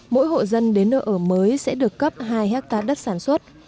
mỗi hộ dân đến nơi ở mới sẽ được cấp hai hectare đất sản xuất